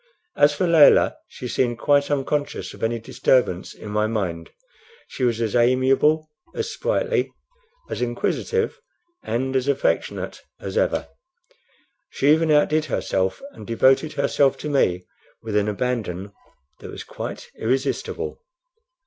As for Layelah, she seemed quite unconscious of any disturbance in my mind. She was as amiable, as sprightly, as inquisitive, and as affectionate as ever. She even outdid herself, and devoted herself to me with an abandon that was quite irresistible.